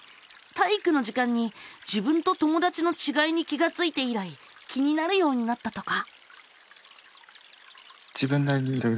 体育の時間に自分と友だちのちがいに気がついて以来気になるようになったとか。